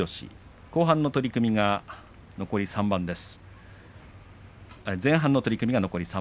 後半の取組残り３番です。